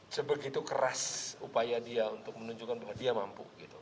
sebegitu keras upaya dia untuk menunjukkan bahwa dia mampu